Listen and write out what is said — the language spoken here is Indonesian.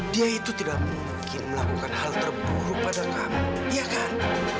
dia itu tidak mungkin melakukan hal terburuk pada kami iya kan